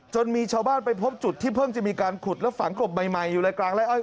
มีชาวบ้านไปพบจุดที่เพิ่งจะมีการขุดและฝังกลบใหม่อยู่ในกลางไล่อ้อย